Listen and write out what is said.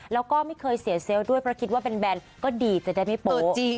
แล้วก็ไม่เคยเสียเซลล์ด้วยเพราะคิดว่าแบนก็ดีจะได้ไม่โปรด